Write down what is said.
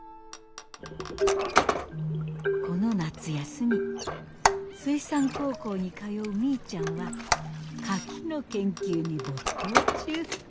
この夏休み水産高校に通うみーちゃんはカキの研究に没頭中。